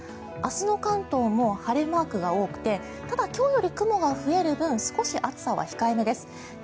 明日の関東も晴れマークが多くてただ今日より雲が増える分少し暑さは控えめです。